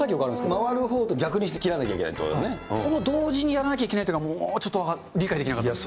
回るほうと逆にして切らなき同時にやらなきゃいけないっていうのがもう、ちょっと理解できなかったです。